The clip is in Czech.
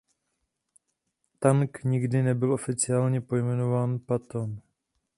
Tank nikdy nebyl oficiálně pojmenován Patton.